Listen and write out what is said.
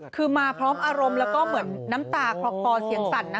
คือมาพร้อมอารมณ์แล้วก็เหมือนน้ำตาคลอเสียงสั่นนะ